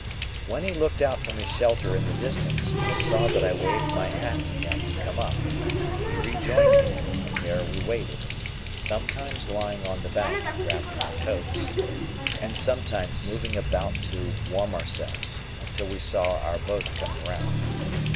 When he looked out from his shelter in the distance, and saw that I waved my hat to him to come up, he rejoined me, and there we waited; sometimes lying on the bank, wrapped in our coats, and sometimes moving about to warm ourselves, until we saw our boat coming round.